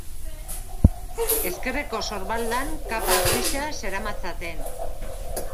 Ezkerreko sorbaldan kapa grisa zeramatzaten.